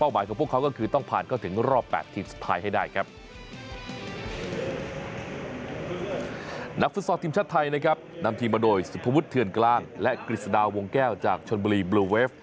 ฟุตซอลทีมชาติไทยนะครับนำทีมมาโดยสุภวุฒิเทือนกลางและกฤษฎาวงแก้วจากชนบุรีบลูเวฟ